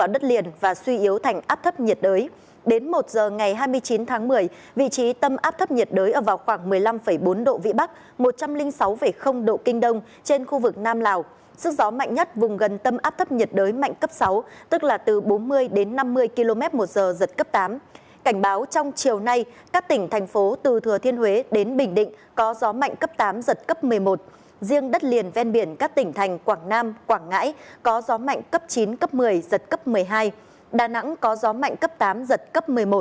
đà nẵng có gió mạnh cấp tám giật cấp một mươi một